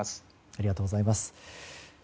ありがとうございます。